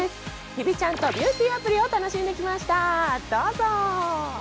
日比ちゃんとビューティーアプリほ楽しんできました。